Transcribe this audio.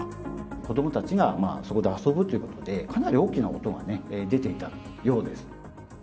子どもたちがそこで遊ぶということで、かなり大きな音がね、出ていたようです。